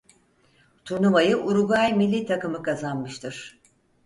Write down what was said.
Turnuvayı Uruguay millî takımı kazanmıştır.